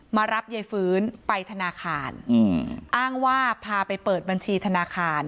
มารับยายฟื้นไปธนาคารอ้างว่าพาไปเปิดบัญชีธนาคาร